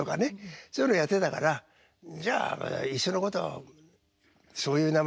そういうのやってたからじゃあいっそのことそういう名前